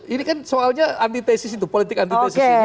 ini kan soalnya antitesis itu politik antitesis ini